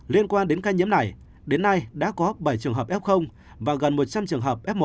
liên quan đến ca nhiễm này đến nay đã có bảy trường hợp f và gần một trăm linh trường hợp f một